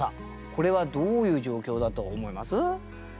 これはどういう状況だと思います？